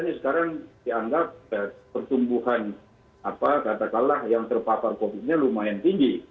ini sekarang dianggap pertumbuhan katakanlah yang terpapar covid nya lumayan tinggi